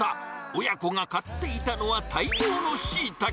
親子が買っていたのは大量のシイタケ。